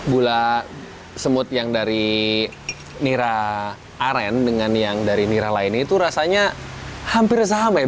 gula semut yang dari nira aren dengan yang dari nira lainnya itu rasanya hampir sama ya